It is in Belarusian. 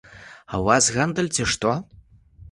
А ў вас гандаль, ці што?